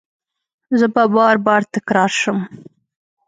زه به بار، بار تکرار شم